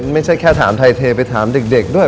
ไม่ใช่แค่ถามไทยเทไปถามเด็กด้วย